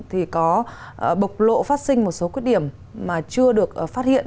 thì có bộc lộ phát sinh một số khuyết điểm mà chưa được phát hiện